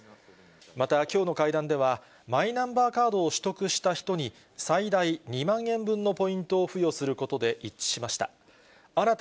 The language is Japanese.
また、きょうの会談では、マイナンバーカードを取得した人に、最大２万円分のポイントを付与することで一致しました。